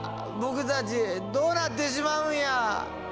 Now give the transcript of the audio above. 僕たちどうなってしまうんや？